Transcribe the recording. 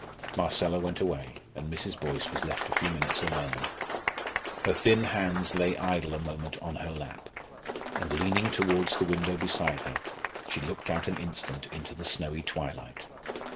Marcella went away, and Mrs. Boyce was left a few minutes alone. Her thin hands lay idle a moment on her lap, and leaning towards the window beside her, she looked out an instant into the snowy twilight.